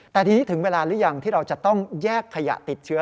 แต่ทีนี้ถึงเวลาหรือยังที่เราจะต้องแยกขยะติดเชื้อ